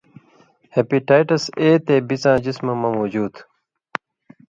ہیپاٹائٹس اے تے ای بڅاں جسمہ مہ موجُود